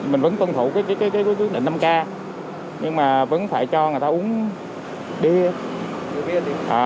mình vẫn tuân thủ cái quyết định năm k nhưng mà vẫn phải cho người ta uống bia